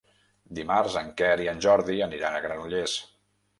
Dimarts en Quer i en Jordi aniran a Granollers.